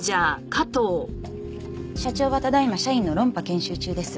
社長はただ今社員の論破研修中です。